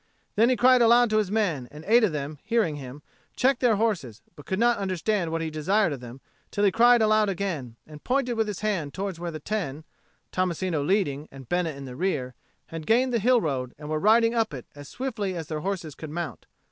Then he cried aloud to his men, and eight of them, hearing him, checked their horses, but could not understand what he desired of them till he cried aloud again, and pointed with his hand towards where the ten, Tommasino leading and Bena in the rear, had gained the hill road and were riding up it as swiftly as their horses could mount.